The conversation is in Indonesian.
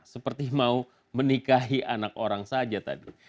seperti mau menikahi anak orang saja tadi